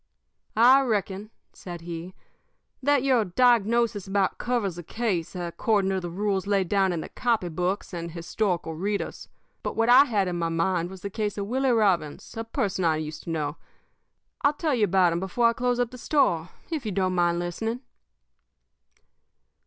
"I reckon," said he, "that your diagnosis about covers the case according to the rules laid down in the copy books and historical readers. But what I had in my mind was the case of Willie Robbins, a person I used to know. I'll tell you about him before I close up the store, if you don't mind listening.